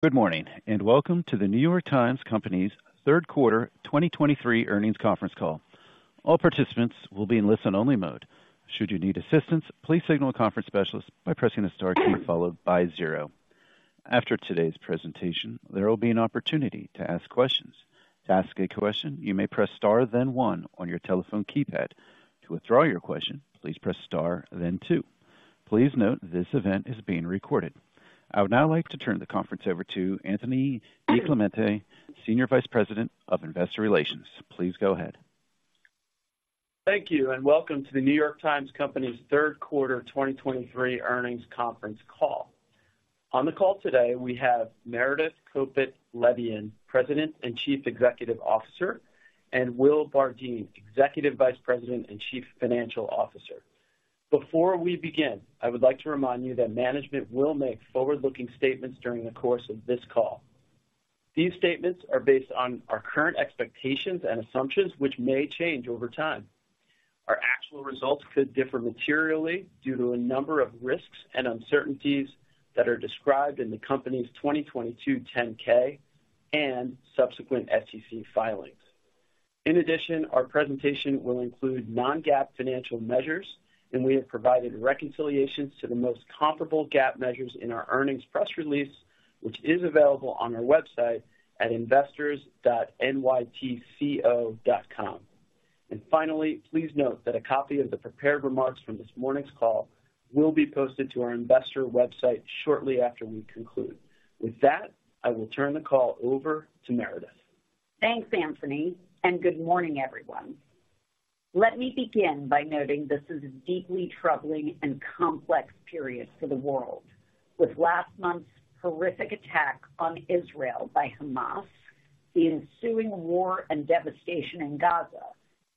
Good morning, and welcome to The New York Times Company's third quarter 2023 earnings conference call. All participants will be in listen-only mode. Should you need assistance, please signal a conference specialist by pressing the star key followed by zero. After today's presentation, there will be an opportunity to ask questions. To ask a question, you may press star, then one on your telephone keypad. To withdraw your question, please press star, then two. Please note, this event is being recorded. I would now like to turn the conference over to Anthony DiClemente, Senior Vice President of Investor Relations. Please go ahead. Thank you, and welcome to The New York Times Company's third quarter 2023 earnings conference call. On the call today, we have Meredith Kopit Levien, President and Chief Executive Officer, and Will Bardeen, Executive Vice President and Chief Financial Officer. Before we begin, I would like to remind you that management will make forward-looking statements during the course of this call. These statements are based on our current expectations and assumptions, which may change over time. Our actual results could differ materially due to a number of risks and uncertainties that are described in the Company's 2022 10-K and subsequent SEC filings. In addition, our presentation will include non-GAAP financial measures, and we have provided reconciliations to the most comparable GAAP measures in our earnings press release, which is available on our website at investors.nytco.com. Finally, please note that a copy of the prepared remarks from this morning's call will be posted to our investor website shortly after we conclude. With that, I will turn the call over to Meredith. Thanks, Anthony, and good morning, everyone. Let me begin by noting this is a deeply troubling and complex period for the world, with last month's horrific attack on Israel by Hamas, the ensuing war and devastation in Gaza,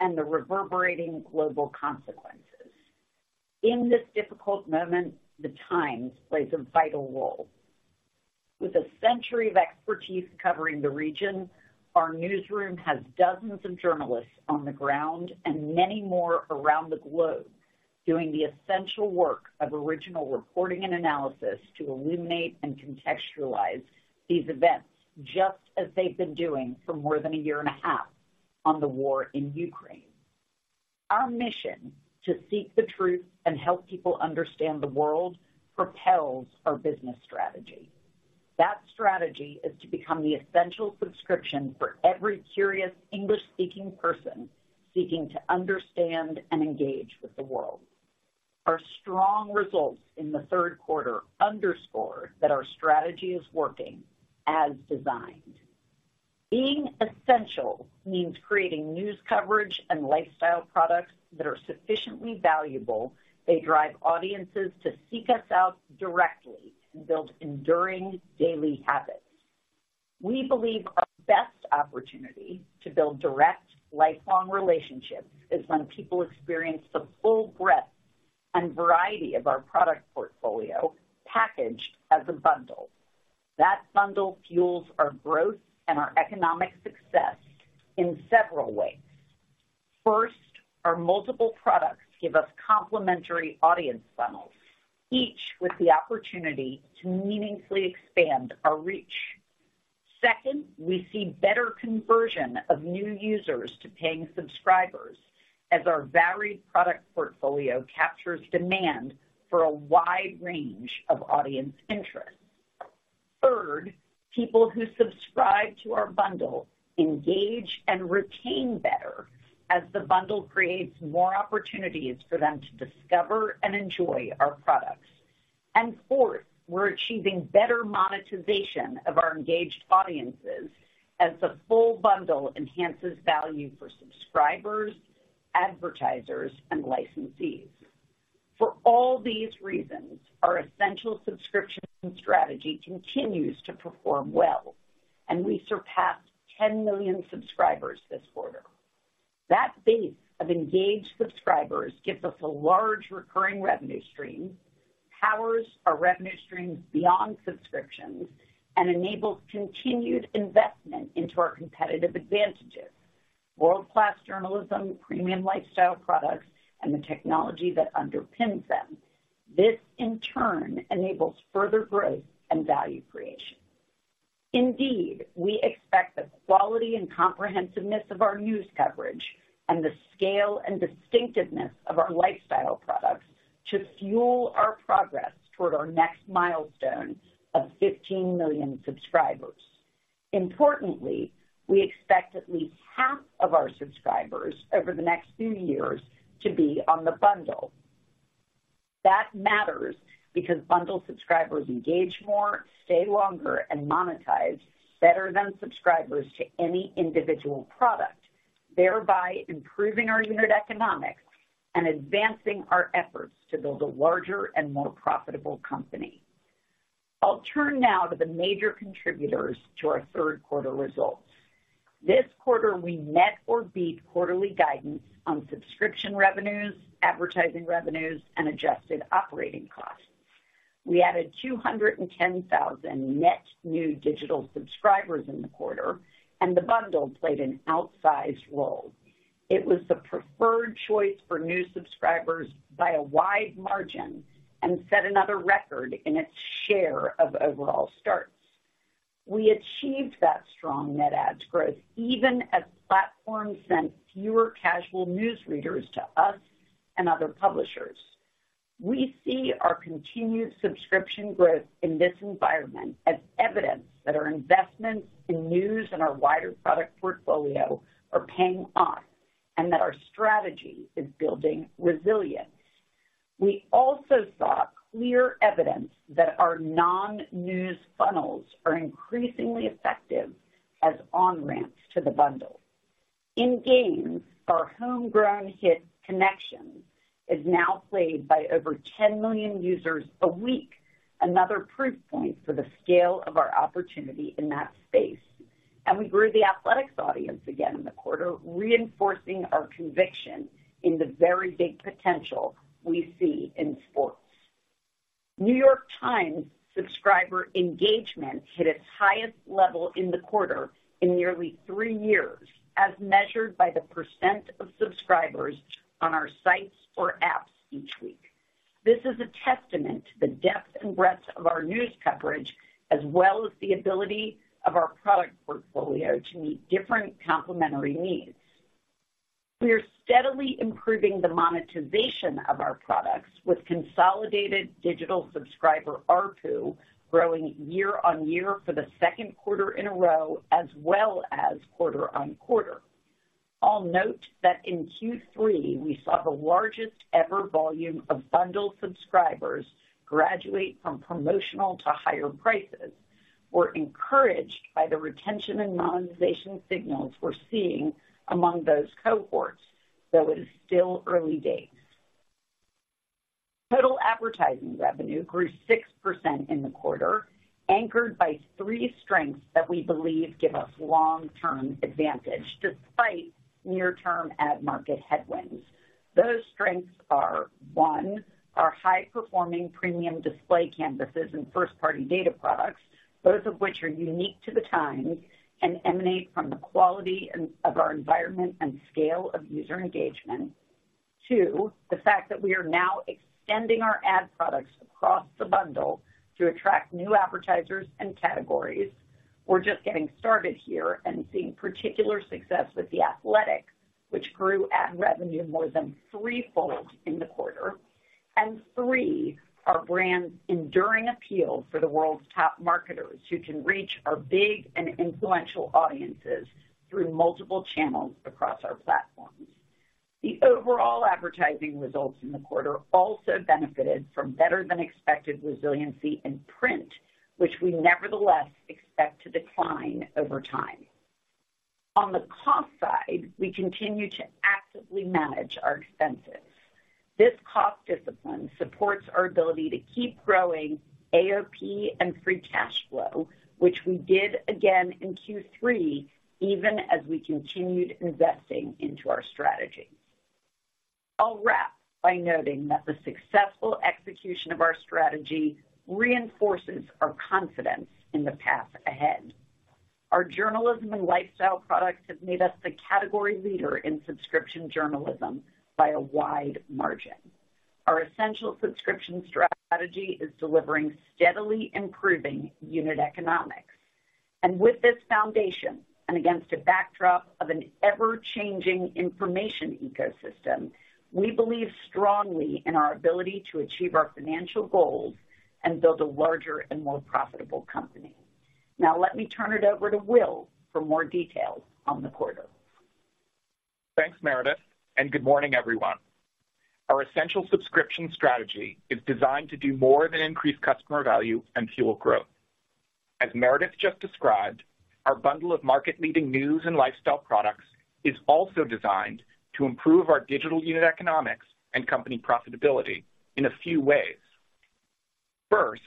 and the reverberating global consequences. In this difficult moment, the Times plays a vital role. With a century of expertise covering the region, our newsroom has dozens of journalists on the ground and many more around the globe, doing the essential work of original reporting and analysis to illuminate and contextualize these events, just as they've been doing for more than a year and a half on the war in Ukraine. Our mission to seek the truth and help people understand the world propels our business strategy. That strategy is to become the essential subscription for every curious English-speaking person seeking to understand and engage with the world. Our strong results in the third quarter underscore that our strategy is working as designed. Being essential means creating news coverage and lifestyle products that are sufficiently valuable. They drive audiences to seek us out directly and build enduring daily habits. We believe our best opportunity to build direct, lifelong relationships is when people experience the full breadth and variety of our product portfolio packaged as a bundle. That bundle fuels our growth and our economic success in several ways. First, our multiple products give us complementary audience funnels, each with the opportunity to meaningfully expand our reach. Second, we see better conversion of new users to paying subscribers as our varied product portfolio captures demand for a wide range of audience interests. Third, people who subscribe to our bundle engage and retain better as the bundle creates more opportunities for them to discover and enjoy our products. Fourth, we're achieving better monetization of our engaged audiences as the full bundle enhances value for subscribers, advertisers, and licensees. For all these reasons, our essential subscription strategy continues to perform well, and we surpassed 10 million subscribers this quarter. That base of engaged subscribers gives us a large recurring revenue stream, powers our revenue streams beyond subscriptions, and enables continued investment into our competitive advantages, world-class journalism, premium lifestyle products, and the technology that underpins them. This, in turn, enables further growth and value creation. Indeed, we expect the quality and comprehensiveness of our news coverage and the scale and distinctiveness of our lifestyle products to fuel our progress toward our next milestone of 15 million subscribers. Importantly, we expect at least half of our subscribers over the next few years to be on the bundle. That matters because bundle subscribers engage more, stay longer, and monetize better than subscribers to any individual product, thereby improving our unit economics and advancing our efforts to build a larger and more profitable company. I'll turn now to the major contributors to our third quarter results. This quarter, we met or beat quarterly guidance on subscription revenues, advertising revenues, and adjusted operating costs. We added 210,000 net new digital subscribers in the quarter, and the bundle played an outsized role. It was the preferred choice for new subscribers by a wide margin and set another record in its share of overall starts. We achieved that strong net adds growth even as platforms sent fewer casual news readers to us and other publishers. We see our continued subscription growth in this environment as evidence that our investments in news and our wider product portfolio are paying off, and that our strategy is building resilience. We also saw clear evidence that our non-news funnels are increasingly effective as on-ramps to the bundle. In games, our homegrown hit, Connections, is now played by over 10 million users a week, another proof point for the scale of our opportunity in that space. We grew The Athletic's audience again in the quarter, reinforcing our conviction in the very big potential we see in sports. The New York Times subscriber engagement hit its highest level in the quarter in nearly three years, as measured by the % of subscribers on our sites or apps each week. This is a testament to the depth and breadth of our news coverage, as well as the ability of our product portfolio to meet different complementary needs. We are steadily improving the monetization of our products with consolidated digital subscriber ARPU growing year-on-year for the second quarter in a row, as well as quarter-on-quarter. I'll note that in Q3, we saw the largest ever volume of bundled subscribers graduate from promotional to higher prices. We're encouraged by the retention and monetization signals we're seeing among those cohorts, though it is still early days. Total advertising revenue grew 6% in the quarter, anchored by three strengths that we believe give us long-term advantage despite near-term ad market headwinds. Those strengths are, one, our high-performing premium display canvases and first-party data products, both of which are unique to The Times and emanate from the quality of our environment and scale of user engagement. Two, the fact that we are now extending our ad products across the bundle to attract new advertisers and categories. We're just getting started here and seeing particular success with The Athletic, which grew ad revenue more than threefold in the quarter. And three, our brand's enduring appeal for the world's top marketers, who can reach our big and influential audiences through multiple channels across our platforms. The overall advertising results in the quarter also benefited from better than expected resiliency in print, which we nevertheless expect to decline over time. On the cost side, we continue to actively manage our expenses. This cost discipline supports our ability to keep growing AOP and free cash flow, which we did again in Q3, even as we continued investing into our strategy. I'll wrap by noting that the successful execution of our strategy reinforces our confidence in the path ahead. Our journalism and lifestyle products have made us the category leader in subscription journalism by a wide margin. Our essential subscription strategy is delivering steadily improving unit economics. And with this foundation, and against a backdrop of an ever-changing information ecosystem, we believe strongly in our ability to achieve our financial goals and build a larger and more profitable company. Now let me turn it over to Will for more details on the quarter. Thanks, Meredith, and good morning, everyone. Our essential subscription strategy is designed to do more than increase customer value and fuel growth. As Meredith just described, our bundle of market-leading news and lifestyle products is also designed to improve our digital unit economics and company profitability in a few ways. First,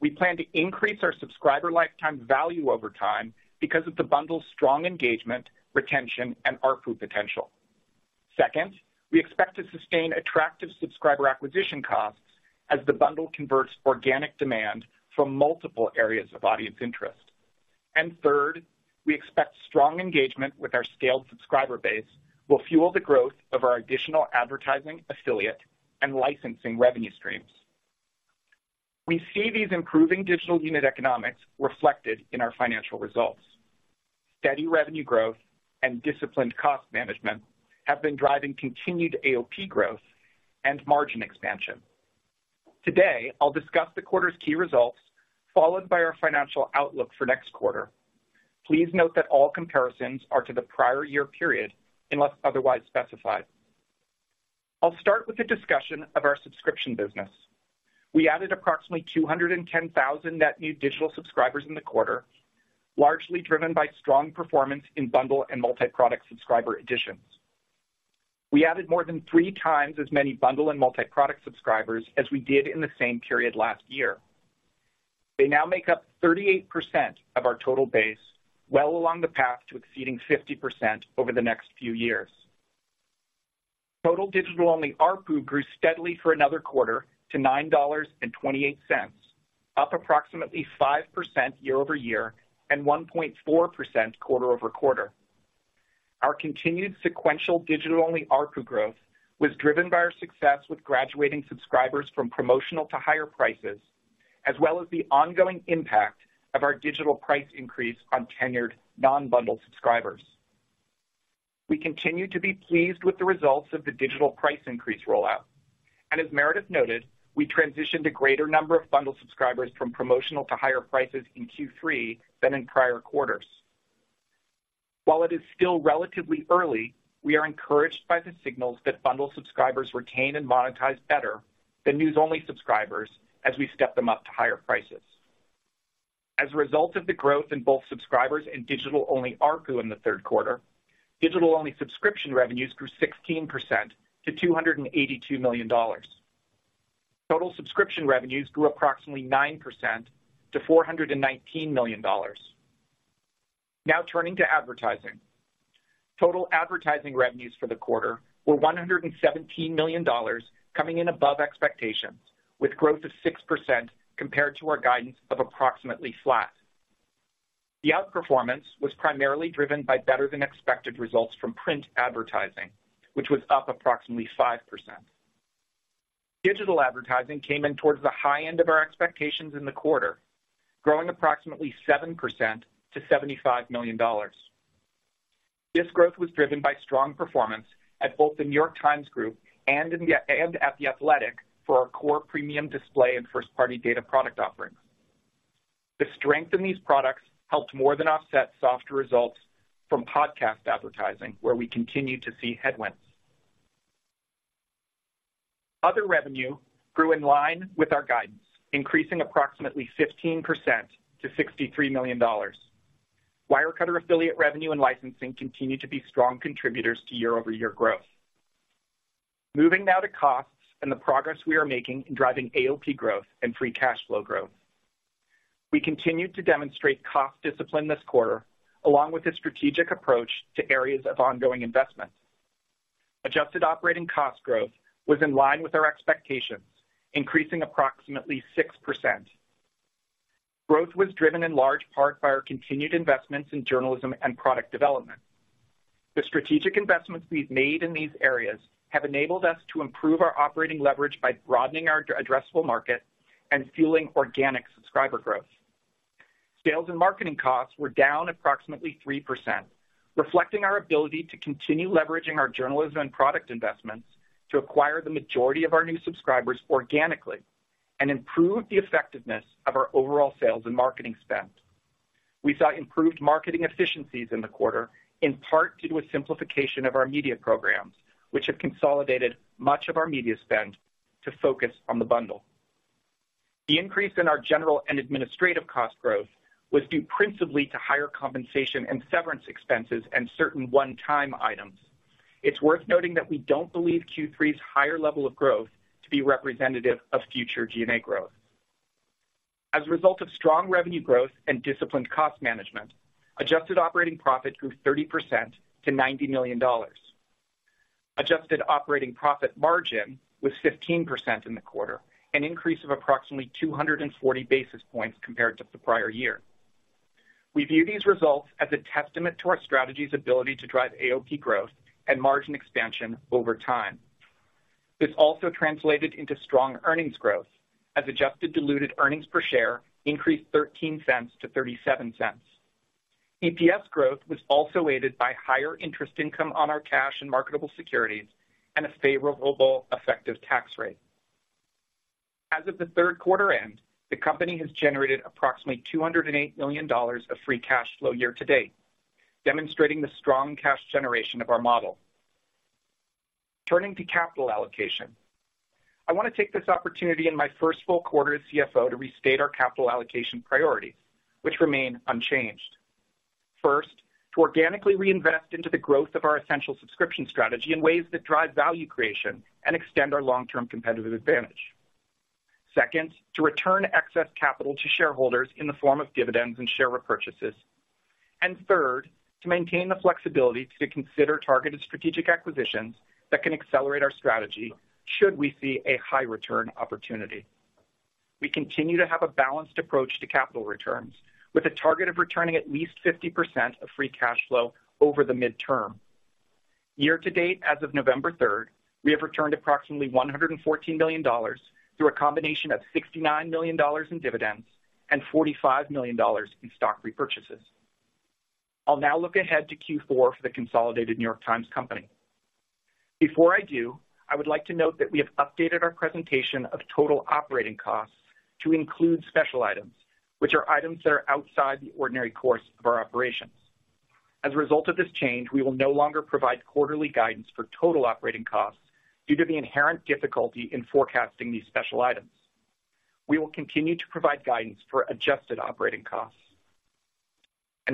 we plan to increase our subscriber lifetime value over time because of the bundle's strong engagement, retention, and ARPU potential. Second, we expect to sustain attractive subscriber acquisition costs as the bundle converts organic demand from multiple areas of audience interest. And third, we expect strong engagement with our scaled subscriber base will fuel the growth of our additional advertising, affiliate, and licensing revenue streams. We see these improving digital unit economics reflected in our financial results. Steady revenue growth and disciplined cost management have been driving continued AOP growth and margin expansion. Today, I'll discuss the quarter's key results, followed by our financial outlook for next quarter. Please note that all comparisons are to the prior year period, unless otherwise specified. I'll start with a discussion of our subscription business. We added approximately 210,000 net new digital subscribers in the quarter, largely driven by strong performance in bundle and multi-product subscriber additions. We added more than three times as many bundle and multi-product subscribers as we did in the same period last year. They now make up 38% of our total base, well along the path to exceeding 50% over the next few years. Total digital-only ARPU grew steadily for another quarter to $9.28, up approximately 5% year-over-year and 1.4% quarter-over-quarter. Our continued sequential digital-only ARPU growth was driven by our success with graduating subscribers from promotional to higher prices, as well as the ongoing impact of our digital price increase on tenured non-bundle subscribers. We continue to be pleased with the results of the digital price increase rollout, and as Meredith noted, we transitioned a greater number of bundle subscribers from promotional to higher prices in Q3 than in prior quarters. While it is still relatively early, we are encouraged by the signals that bundle subscribers retain and monetize better than news-only subscribers as we step them up to higher prices. As a result of the growth in both subscribers and digital-only ARPU in the third quarter, digital-only subscription revenues grew 16% to $282 million. Total subscription revenues grew approximately 9% to $419 million. Now turning to advertising. Total advertising revenues for the quarter were $117 million, coming in above expectations, with growth of 6% compared to our guidance of approximately flat. The outperformance was primarily driven by better-than-expected results from print advertising, which was up approximately 5%. Digital advertising came in toward the high end of our expectations in the quarter, growing approximately 7% to $75 million. This growth was driven by strong performance at both The New York Times Group and at The Athletic for our core premium display and first-party data product offerings. The strength in these products helped more than offset softer results from podcast advertising, where we continued to see headwinds. Other revenue grew in line with our guidance, increasing approximately 15% to $63 million. Wirecutter affiliate revenue and licensing continued to be strong contributors to year-over-year growth. Moving now to costs and the progress we are making in driving AOP growth and free cash flow growth. We continued to demonstrate cost discipline this quarter, along with a strategic approach to areas of ongoing investment. Adjusted operating cost growth was in line with our expectations, increasing approximately 6%. Growth was driven in large part by our continued investments in journalism and product development. The strategic investments we've made in these areas have enabled us to improve our operating leverage by broadening our addressable market and fueling organic subscriber growth. Sales and marketing costs were down approximately 3%, reflecting our ability to continue leveraging our journalism and product investments to acquire the majority of our new subscribers organically and improve the effectiveness of our overall sales and marketing spend. We saw improved marketing efficiencies in the quarter, in part due to a simplification of our media programs, which have consolidated much of our media spend to focus on the bundle. The increase in our general and administrative cost growth was due principally to higher compensation and severance expenses and certain one-time items. It's worth noting that we don't believe Q3's higher level of growth to be representative of future G&A growth. As a result of strong revenue growth and disciplined cost management, adjusted operating profit grew 30% to $90 million. Adjusted operating profit margin was 15% in the quarter, an increase of approximately 240 basis points compared to the prior year. We view these results as a testament to our strategy's ability to drive AOP growth and margin expansion over time. This also translated into strong earnings growth, as adjusted diluted earnings per share increased $0.13 to $0.37. EPS growth was also aided by higher interest income on our cash and marketable securities and a favorable effective tax rate. As of the third quarter end, the company has generated approximately $208 million of free cash flow year to date, demonstrating the strong cash generation of our model. Turning to capital allocation. I want to take this opportunity in my first full quarter as CFO to restate our capital allocation priorities, which remain unchanged. First, to organically reinvest into the growth of our essential subscription strategy in ways that drive value creation and extend our long-term competitive advantage. Second, to return excess capital to shareholders in the form of dividends and share repurchases. And third, to maintain the flexibility to consider targeted strategic acquisitions that can accelerate our strategy should we see a high return opportunity. We continue to have a balanced approach to capital returns, with a target of returning at least 50% of free cash flow over the midterm. Year to date, as of November 3rd, we have returned approximately $114 million through a combination of $69 million in dividends and $45 million in stock repurchases. I'll now look ahead to Q4 for the consolidated New York Times Company. Before I do, I would like to note that we have updated our presentation of total operating costs to include special items, which are items that are outside the ordinary course of our operations. As a result of this change, we will no longer provide quarterly guidance for total operating costs due to the inherent difficulty in forecasting these special items. We will continue to provide guidance for adjusted operating costs.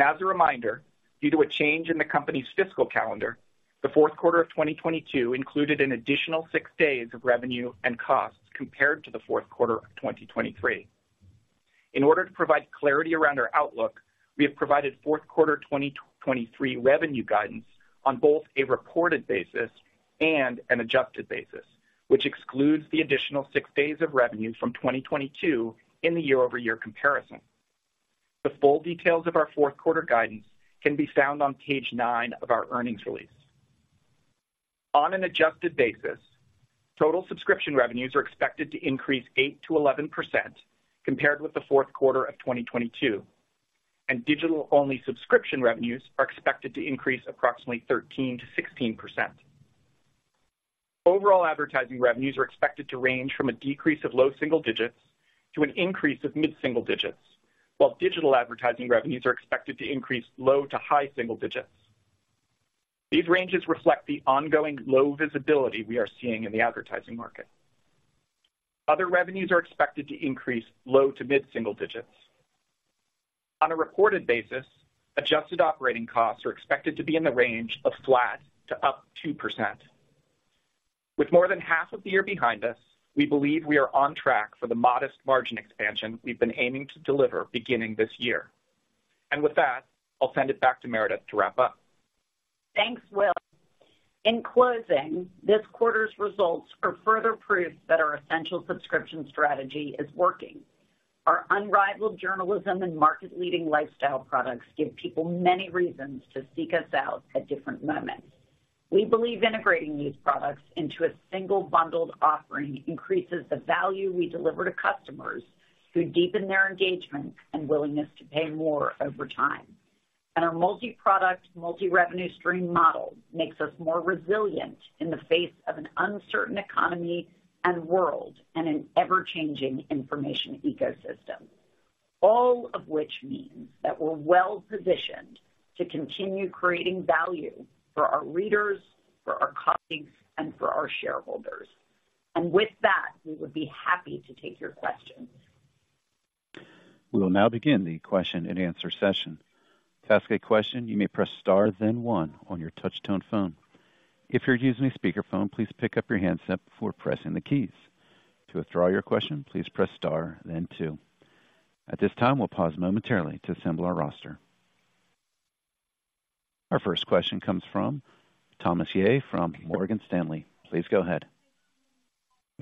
As a reminder, due to a change in the company's fiscal calendar, the fourth quarter of 2022 included an additional six days of revenue and costs compared to the fourth quarter of 2023. In order to provide clarity around our outlook, we have provided fourth quarter 2023 revenue guidance on both a reported basis and an adjusted basis, which excludes the additional six days of revenue from 2022 in the year-over-year comparison. The full details of our fourth quarter guidance can be found on page 9 of our earnings release. On an adjusted basis, total subscription revenues are expected to increase 8%-11% compared with the fourth quarter of 2022, and digital-only subscription revenues are expected to increase approximately 13%-16%. Overall advertising revenues are expected to range from a decrease of low single digits to an increase of mid-single digits, while digital advertising revenues are expected to increase low to high single digits. These ranges reflect the ongoing low visibility we are seeing in the advertising market. Other revenues are expected to increase low to mid-single digits. On a reported basis, adjusted operating costs are expected to be in the range of flat to up 2%. With more than half of the year behind us, we believe we are on track for the modest margin expansion we've been aiming to deliver beginning this year. With that, I'll send it back to Meredith to wrap up. Thanks, Will. In closing, this quarter's results are further proof that our essential subscription strategy is working. Our unrivaled journalism and market-leading lifestyle products give people many reasons to seek us out at different moments. We believe integrating these products into a single bundled offering increases the value we deliver to customers, who deepen their engagement and willingness to pay more over time. And our multi-product, multi-revenue stream model makes us more resilient in the face of an uncertain economy and world and an ever-changing information ecosystem. All of which means that we're well-positioned to continue creating value for our readers, for our colleagues, and for our shareholders. And with that, we would be happy to take your questions. We will now begin the question-and-answer session. To ask a question, you may press star, then one on your touch tone phone. If you're using a speakerphone, please pick up your handset before pressing the keys. To withdraw your question, please press star then two. At this time, we'll pause momentarily to assemble our roster. Our first question comes from Thomas Yeh from Morgan Stanley. Please go ahead.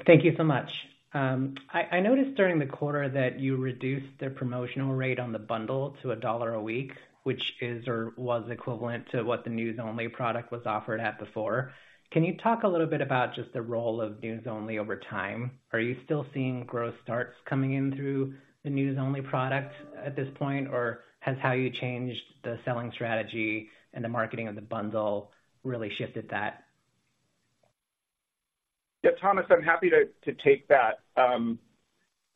Thank you so much. I noticed during the quarter that you reduced the promotional rate on the bundle to $1 a week, which is or was equivalent to what the News-only product was offered at before. Can you talk a little bit about just the role of News-only over time? Are you still seeing growth starts coming in through the News-only product at this point, or has how you changed the selling strategy and the marketing of the bundle really shifted that? Yeah, Thomas, I'm happy to take that.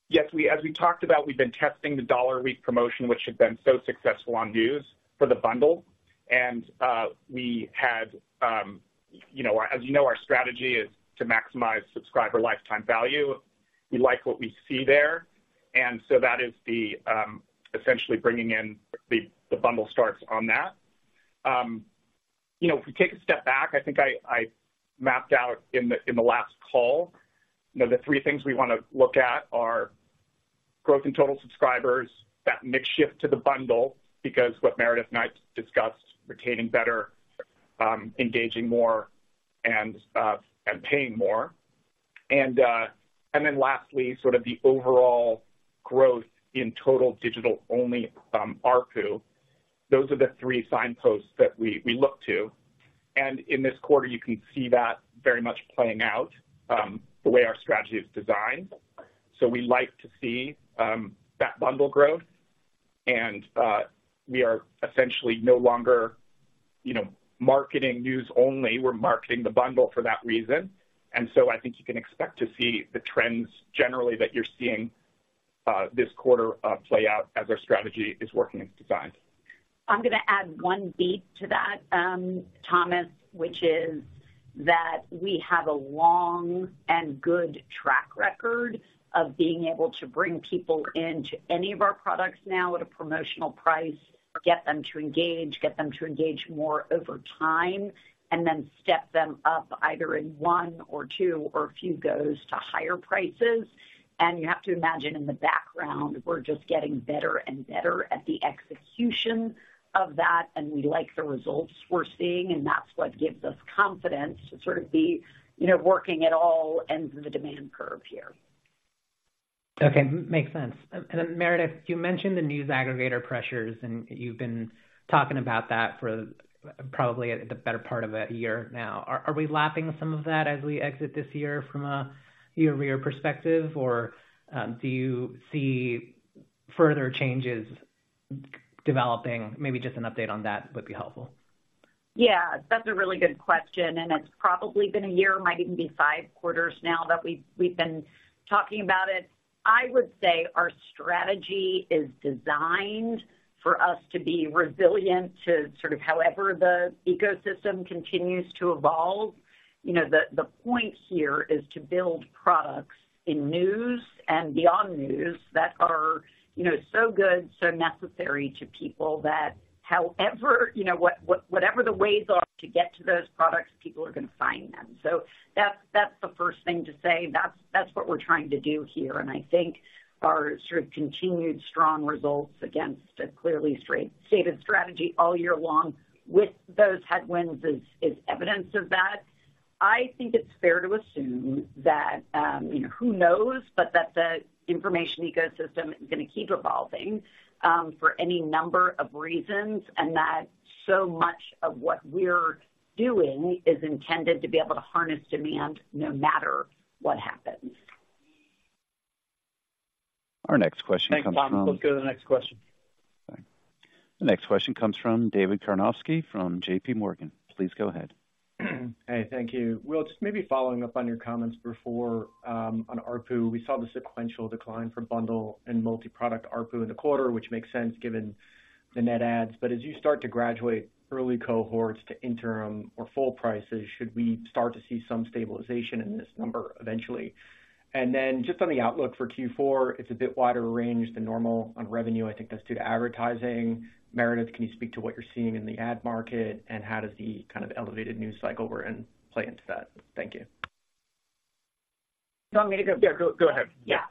Yes, as we talked about, we've been testing the $1 a week promotion, which has been so successful on News for the bundle. And we had, you know, as you know, our strategy is to maximize subscriber lifetime value. We like what we see there, and so that is essentially bringing in the bundle starts on that. You know, if we take a step back, I think I mapped out in the last call, you know, the three things we wanna look at are growth in total subscribers, that mix shift to the bundle, because what Meredith and I discussed, retaining better, engaging more and paying more. And then lastly, sort of the overall growth in total digital-only ARPU. Those are the three signposts that we look to, and in this quarter, you can see that very much playing out the way our strategy is designed. So we like to see that bundle growth, and we are essentially no longer, you know, marketing News-only. We're marketing the bundle for that reason. And so I think you can expect to see the trends generally that you're seeing this quarter play out as our strategy is working as designed. I'm gonna add one beat to that, Thomas, which is that we have a long and good track record of being able to bring people into any of our products now at a promotional price, get them to engage, get them to engage more over time, and then step them up either in one or two or a few goes to higher prices. And you have to imagine in the background, we're just getting better and better at the execution of that, and we like the results we're seeing, and that's what gives us confidence to sort of be, you know, working at all ends of the demand curve here. Okay, makes sense. And then, Meredith, you mentioned the news aggregator pressures, and you've been talking about that for probably the better part of a year now. Are we lapping some of that as we exit this year from a year-over-year perspective, or do you see further changes developing? Maybe just an update on that would be helpful. Yeah, that's a really good question, and it's probably been a year, might even be five quarters now that we've been talking about it. I would say our strategy is designed for us to be resilient to sort of however the ecosystem continues to evolve. You know, the point here is to build products in news and beyond news that are, you know, so good, so necessary to people that however, you know, whatever the ways are to get to those products, people are gonna find them. So that's the first thing to say. That's what we're trying to do here, and I think our sort of continued strong results against a clearly stated strategy all year long with those headwinds is evidence of that. I think it's fair to assume that, you know, who knows? But that the information ecosystem is going to keep evolving, for any number of reasons, and that so much of what we're doing is intended to be able to harness demand no matter what happens. Our next question comes from. Thanks, Bob. Let's go to the next question. The next question comes from David Karnovsky from JPMorgan. Please go ahead. Hey, thank you. Will, just maybe following up on your comments before, on ARPU, we saw the sequential decline for bundle and multi-product ARPU in the quarter, which makes sense given the net adds. But as you start to graduate early cohorts to interim or full prices, should we start to see some stabilization in this number eventually? And then just on the outlook for Q4, it's a bit wider range than normal on revenue. I think that's due to advertising. Meredith, can you speak to what you're seeing in the ad market, and how does the kind of elevated news cycle we're in play into that? Thank you. Do you want me to go? Yeah, go, go ahead. Yeah.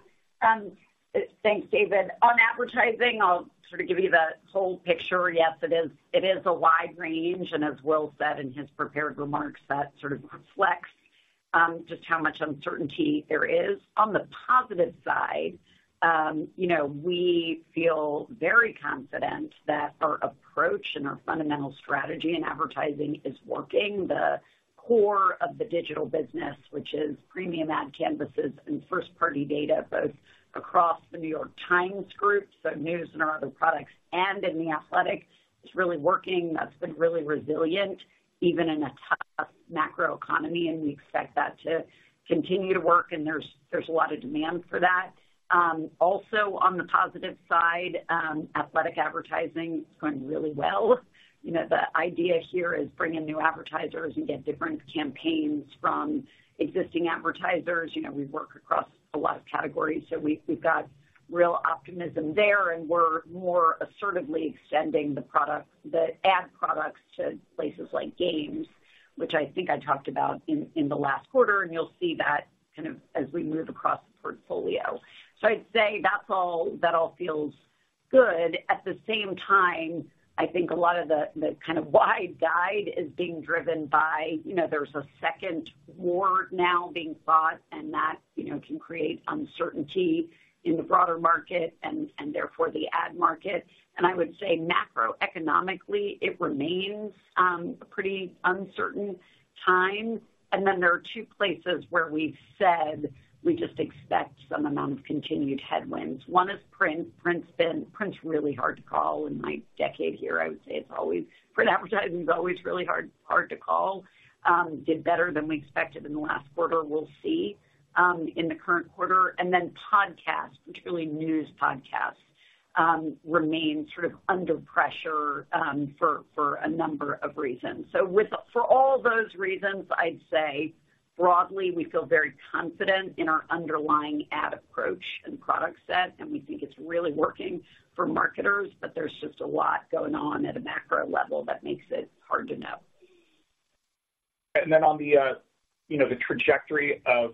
Thanks, David. On advertising, I'll sort of give you the whole picture. Yes, it is, it is a wide range, and as Will said in his prepared remarks, that sort of reflects just how much uncertainty there is. On the positive side, you know, we feel very confident that our approach and our fundamental strategy in advertising is working. The core of the digital business, which is premium ad canvases and first-party data, both across The New York Times Group, so news and our other products, and in The Athletic, is really working. That's been really resilient, even in a tough macroeconomy, and we expect that to continue to work, and there's, there's a lot of demand for that. Also, on the positive side, athletic advertising is going really well. You know, the idea here is bring in new advertisers and get different campaigns from existing advertisers. You know, we work across a lot of categories, so we've got real optimism there, and we're more assertively extending the product, the ad products to places like Games, which I think I talked about in the last quarter, and you'll see that kind of as we move across the portfolio. So I'd say that's all- that all feels good. At the same time, I think a lot of the kind of wide guide is being driven by, you know, there's a second war now being fought, and that, you know, can create uncertainty in the broader market and therefore, the ad market. And I would say macroeconomically, it remains a pretty uncertain time. And then there are two places where we've said we just expect some amount of continued headwinds. One is print. Print's really hard to call. In my decade here, I would say it's always print advertising is always really hard to call. Did better than we expected in the last quarter. We'll see in the current quarter. And then podcasts, particularly news podcasts, remain sort of under pressure for a number of reasons. So for all those reasons, I'd say broadly, we feel very confident in our underlying ad approach and product set, and we think it's really working for marketers, but there's just a lot going on at a macro level that makes it hard to know. Then on the, you know, the trajectory of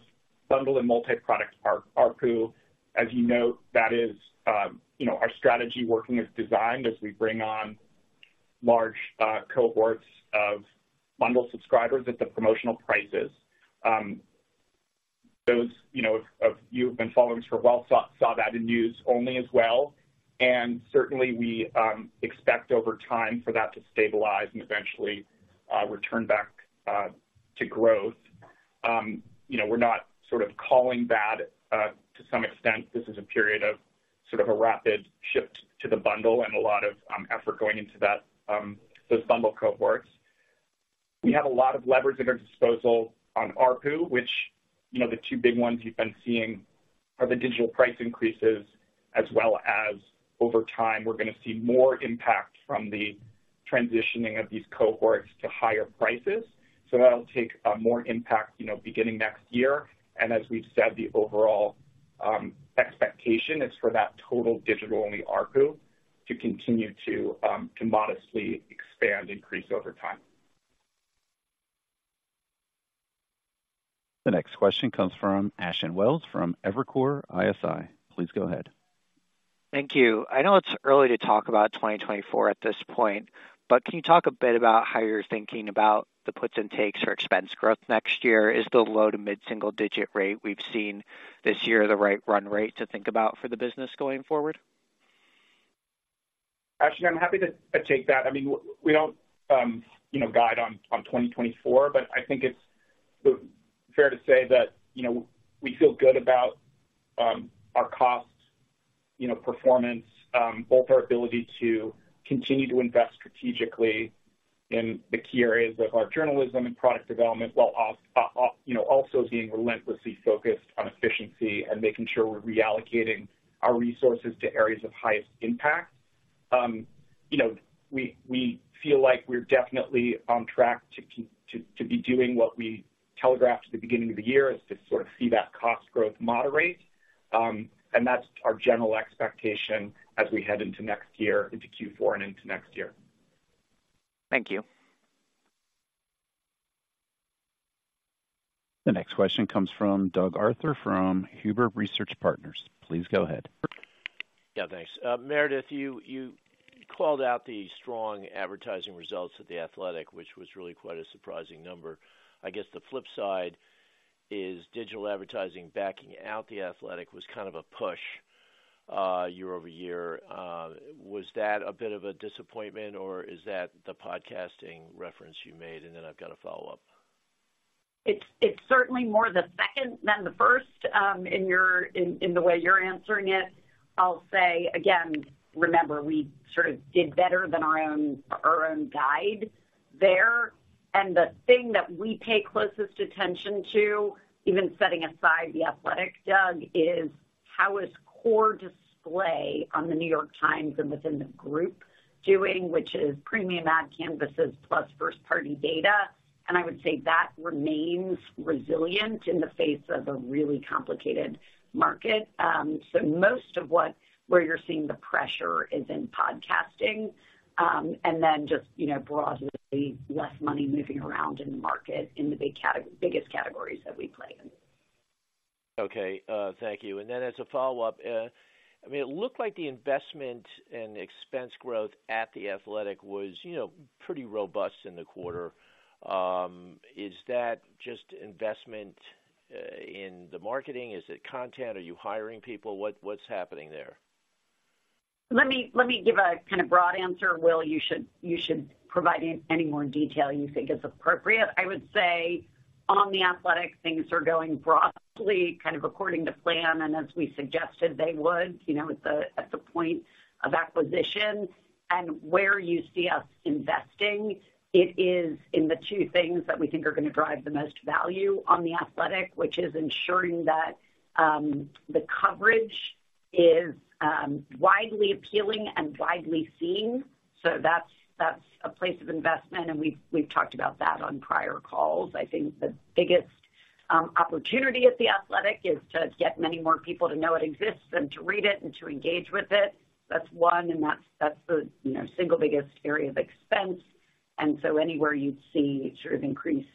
bundle and multi-product ARPU, as you note, that is, you know, our strategy working as designed as we bring on large cohorts of bundle subscribers at the promotional prices. Those, you know, if you've been following us for a while, saw, saw that in News-only as well. And certainly, we expect over time for that to stabilize and eventually return back to growth. You know, we're not sort of calling that, to some extent, this is a period of sort of a rapid shift to the bundle and a lot of effort going into that, those bundle cohorts. We have a lot of levers at our disposal on ARPU, which, you know, the two big ones you've been seeing are the digital price increases, as well as over time, we're going to see more impact from the transitioning of these cohorts to higher prices. So that'll take more impact, you know, beginning next year. And as we've said, the overall expectation is for that total digital-only ARPU to continue to modestly expand, increase over time. The next question comes from Ashton Welles from Evercore ISI. Please go ahead. Thank you. I know it's early to talk about 2024 at this point, but can you talk a bit about how you're thinking about the puts and takes for expense growth next year? Is the low- to mid-single-digit rate we've seen this year, the right run rate to think about for the business going forward? Ashton, I'm happy to take that. I mean, we don't, you know, guide on 2024, but I think it's fair to say that, you know, we feel good about our cost, you know, performance, both our ability to continue to invest strategically in the key areas of our journalism and product development, while also being relentlessly focused on efficiency and making sure we're reallocating our resources to areas of highest impact. You know, we feel like we're definitely on track to be doing what we telegraphed at the beginning of the year, is to sort of see that cost growth moderate. And that's our general expectation as we head into next year, into Q4 and into next year. Thank you. The next question comes from Doug Arthur from Huber Research Partners. Please go ahead. Yeah, thanks. Meredith, you, you called out the strong advertising results at The Athletic, which was really quite a surprising number. I guess the flip side is digital advertising backing out The Athletic was kind of a push year-over-year. Was that a bit of a disappointment, or is that the podcasting reference you made? And then I've got a follow-up. It's certainly more the second than the first in the way you're answering it. I'll say again, remember, we sort of did better than our own guide there. The thing that we pay closest attention to, even setting aside The Athletic, Doug, is how core display on The New York Times and within the group is doing, which is premium ad canvases plus first-party data, and I would say that remains resilient in the face of a really complicated market. So most of where you're seeing the pressure is in podcasting, and then just, you know, broadly, less money moving around in the market in the biggest categories that we play in. Okay, thank you. And then as a follow-up, I mean, it looked like the investment and expense growth at The Athletic was, you know, pretty robust in the quarter. Is that just investment in the marketing? Is it content? Are you hiring people? What's happening there? Let me give a kind of broad answer. Will, you should provide any more detail you think is appropriate. I would say on The Athletic, things are going broadly, kind of according to plan, and as we suggested they would, you know, at the point of acquisition. And where you see us investing, it is in the two things that we think are going to drive the most value on The Athletic, which is ensuring that the coverage is widely appealing and widely seen. So that's a place of investment, and we've talked about that on prior calls. I think the biggest opportunity at The Athletic is to get many more people to know it exists and to read it and to engage with it. That's one, and that's the, you know, single biggest area of expense. And so anywhere you'd see sort of increased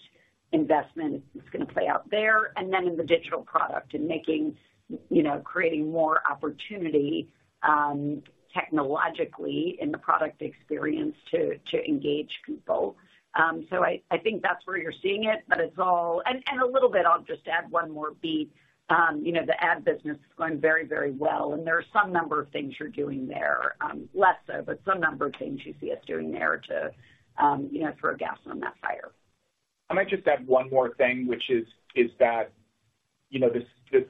investment, it's going to play out there. And then in the digital product and making, you know, creating more opportunity technologically in the product experience to engage people. So I think that's where you're seeing it, but it's all. And a little bit, I'll just add one more beat. You know, the ad business is going very, very well, and there are some number of things you're doing there. Less so, but some number of things you see us doing there to, you know, throw gas on that fire. I might just add one more thing, which is that, you know, the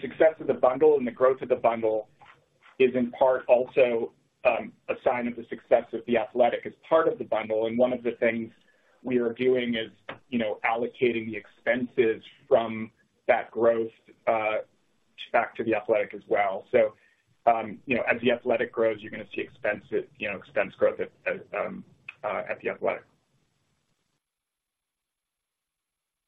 success of the bundle and the growth of the bundle is in part also a sign of the success of The Athletic as part of the bundle. And one of the things we are doing is, you know, allocating the expenses from that growth back to The Athletic as well. So, you know, as The Athletic grows, you're going to see expenses, you know, expense growth at The Athletic.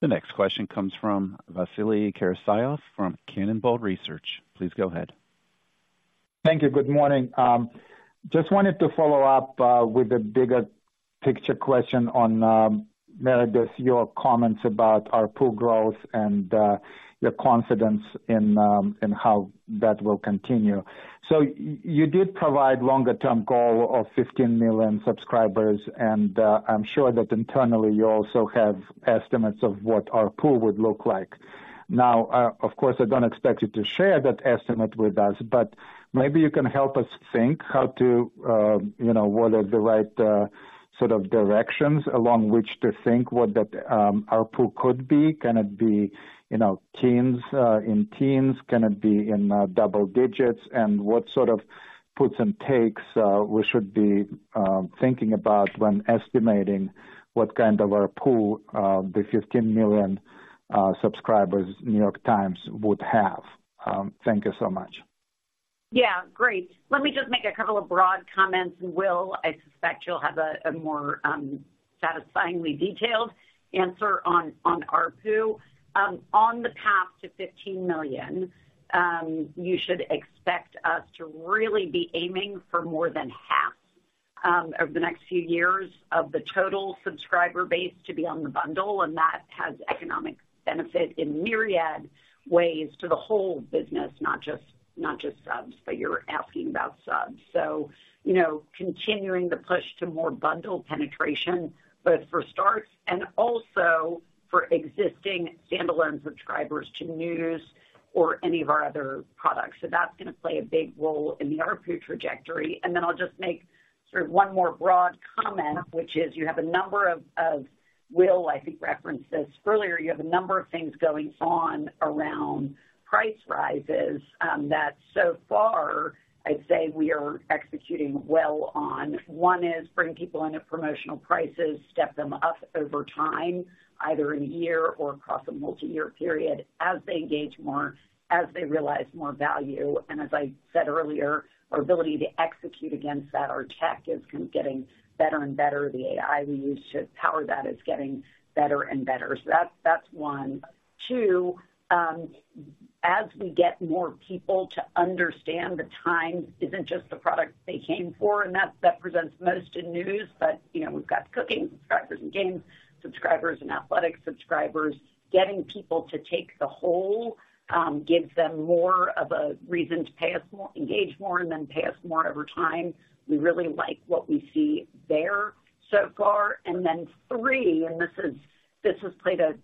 The next question comes from Vasily Karasyov from Cannonball Research. Please go ahead. Thank you. Good morning. Just wanted to follow up with a bigger picture question on Meredith, your comments about ARPU growth and your confidence in how that will continue. So you did provide longer-term goal of 15 million subscribers, and I'm sure that internally you also have estimates of what ARPU would look like. Now, of course, I don't expect you to share that estimate with us, but maybe you can help us think how to, you know, what are the right sort of directions along which to think what that ARPU could be. Can it be, you know, teens in teens? Can it be in double digits? What sort of puts and takes we should be thinking about when estimating what kind of ARPU the 15 million subscribers New York Times would have? Thank you so much. Yeah, great. Let me just make a couple of broad comments, and Will, I suspect you'll have a more satisfyingly detailed answer on ARPU. On the path to 15 million, you should expect us to really be aiming for more than half, over the next few years, of the total subscriber base to be on the bundle, and that has economic benefit in myriad ways to the whole business, not just, not just subs, but you're asking about subs. So, you know, continuing the push to more bundle penetration, both for starts and also for existing standalone subscribers to news or any of our other products. So that's going to play a big role in the ARPU trajectory. And then I'll just make sort of one more broad comment, which is you have a number of. Will, I think, referenced this earlier. You have a number of things going on around price rises, that so far I'd say we are executing well on. One is bringing people in at promotional prices, step them up over time, either in a year or across a multi-year period, as they engage more, as they realize more value. And as I said earlier, our ability to execute against that, our tech, is kind of getting better and better. The AI we use to power that is getting better and better. So that's, that's one. Two, as we get more people to understand The Times isn't just the product they came for, and that, that presents most in news, but, you know, we've got Cooking subscribers and Games subscribers and Athletic subscribers. Getting people to take the whole gives them more of a reason to pay us more, engage more, and then pay us more over time. We really like what we see there so far. And then three, and this has played a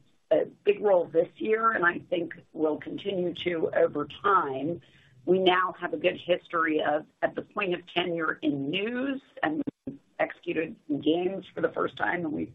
big role this year, and I think will continue to over time. We now have a good history of, at the point of tenure in News and executed in Games for the first time, and we've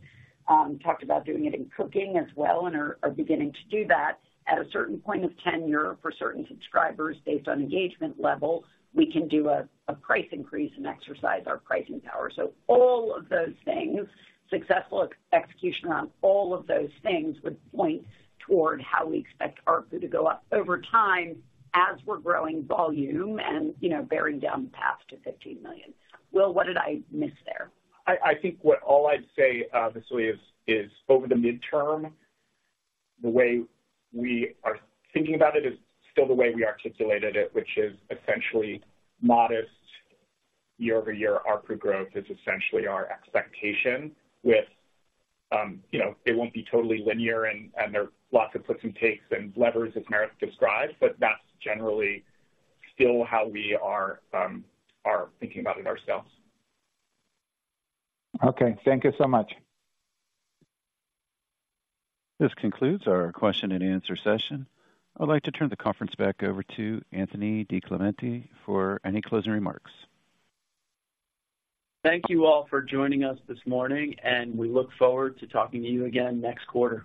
talked about doing it in Cooking as well and are beginning to do that. At a certain point of tenure for certain subscribers, based on engagement level, we can do a price increase and exercise our pricing power. So all of those things, successful execution on all of those things, would point toward how we expect ARPU to go up over time as we're growing volume and, you know, bearing down the path to 15 million. Will, what did I miss there? I think what all I'd say, obviously, is over the midterm, the way we are thinking about it is still the way we articulated it, which is essentially modest year-over-year ARPU growth is essentially our expectation with, you know, it won't be totally linear and there are lots of puts and takes and levers, as Meredith described, but that's generally still how we are thinking about it ourselves. Okay, thank you so much. This concludes our question and answer session. I'd like to turn the conference back over to Anthony DiClemente for any closing remarks. Thank you all for joining us this morning, and we look forward to talking to you again next quarter.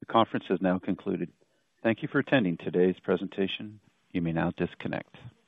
The conference has now concluded. Thank you for attending today's presentation. You may now disconnect.